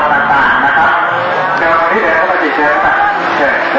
เดิงเข้าไปกรอบเดี๋ยวครับ